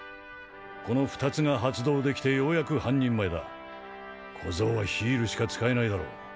この２つが発動できてようやく半人前だ小僧はヒールしか使えないだろ？